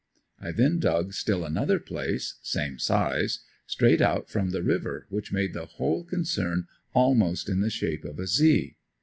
I then dug still another place, same size, straight out from the river which made the whole concern almost in the shape of a "Z."